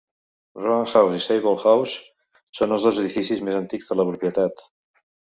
Roan House i Sable House són els dos edificis més antics de la propietat.